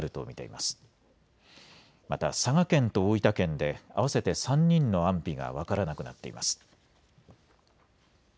また佐賀県と大分県で合わせて３人の安否が分からなくなっています。